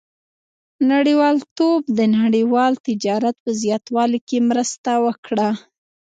• نړیوالتوب د نړیوال تجارت په زیاتوالي کې مرسته وکړه.